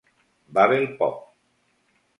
Bubble Pop!